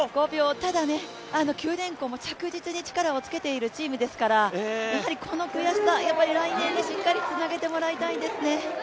ただ、九電工も着実に力をつけているチームですからこの悔しさ来年でしっかりつなげてもらいたいですね。